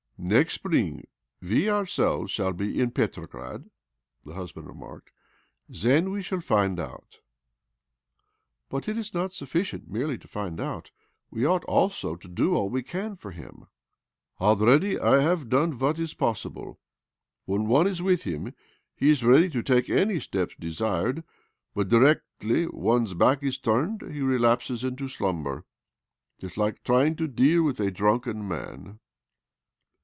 "Next spring we ourselves shall be in Petrograd," he husband remarked. " Then we will find out." " But it is not sufiicient merely to find out : we ought also to do all we can for him." "Already I have done what is possible. When one is with him he is ready to take any steps desired ; but directly one's back is turned he relapses into, slumber. 'Tis like trying to deal with a drunken man."